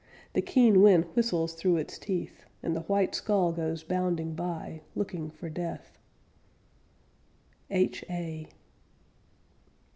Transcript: The keen wind whistles through its teeth, And the white skull goes bounding by Looking for Death. H.A.